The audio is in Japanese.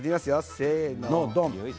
せーの、ドン。